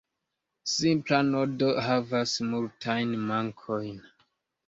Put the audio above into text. Simpla nodo havas multajn mankojn.